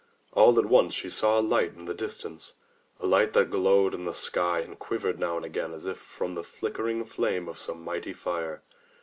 All at once she saw a light in the distance, a light that glowed in the sky and quivered now and again as if from the flickering flame of some mighty fire.